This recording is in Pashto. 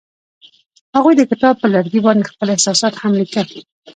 هغوی د کتاب پر لرګي باندې خپل احساسات هم لیکل.